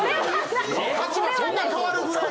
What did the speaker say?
立場そんな変わるぐらい。